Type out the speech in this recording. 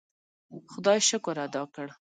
خدای شکر ادا کړ.